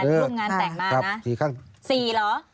ร่วมงานแต่งมานะ